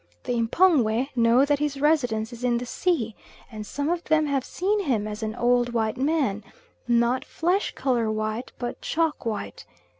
The M'pongwe know that his residence is in the sea, and some of them have seen him as an old white man, not flesh colour white, but chalk white.